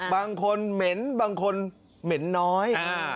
บางคนเหม็นบางคนเหม็นน้อย